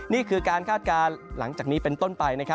นี่คือการคาดการณ์หลังจากนี้เป็นต้นไป